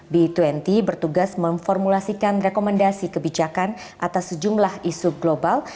b dua puluh bertugas memformulasikan rekomendasi kebijakan atas sejumlah isu global